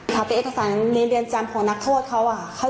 เธอเป็นเอกสรรณ์ในเรียนจำพรณคตเขาจะบอกว่า